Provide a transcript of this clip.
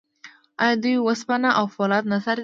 آیا دوی وسپنه او فولاد نه صادروي؟